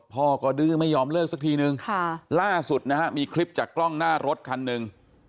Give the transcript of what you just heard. พ่อก็ดื้อไม่ยอมเลิกสักทีนึงล่าสุดนะฮะมีคลิปจากกล้องหน้ารถคันหนึ่ง